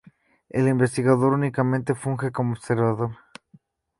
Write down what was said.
El investigador únicamente funge como observador.